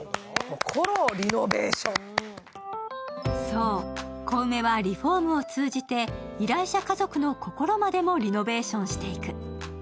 そう、小梅はリフォームを通じて依頼者家族の心までもリノベーションしていく。